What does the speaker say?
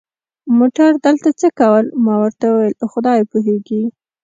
موټر دلته څه کول؟ ما ورته وویل: خدای پوهېږي.